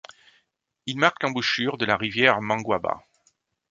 Il marque l'embouchure de la rivière Manguaba.